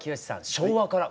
「昭和から」